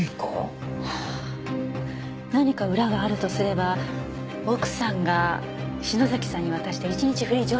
何か裏があるとすれば奥さんが篠崎さんに渡した１日フリー乗車券って事ね。